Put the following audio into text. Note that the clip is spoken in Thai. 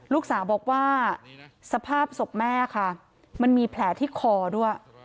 ลูกสาวบอกว่าสภาพศพแม่ค่ะมันมีแผลที่คอด้วย